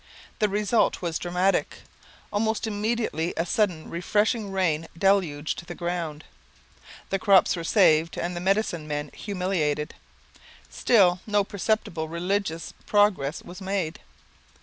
The result was dramatic. Almost immediately a sudden refreshing rain deluged the ground; the crops were saved and the medicine men humiliated. Still, no perceptible religious progress was made.